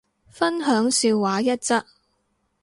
分享笑話一則